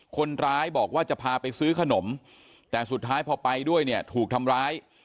คนร้ายบอกว่าจะพาไปซื้อขนมแต่สุดท้ายพอไปด้วยเนี่ยถูกทำร้าย